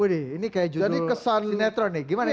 wadih ini kayak judul sinetron nih gimana ya